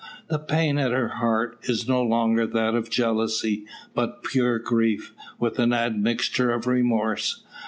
The pain at her heart is no longer that of jealousy, but pure grief, with an admixture of remorse.